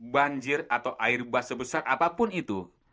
banjir atau air basah besar apapun itu